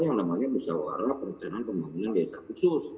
yang namanya musawarah rencana pembangunan desa khusus